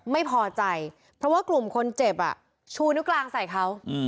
ไม่พอใจเพราะว่ากลุ่มคนเจ็บชูนิ้วกลางใส่เขา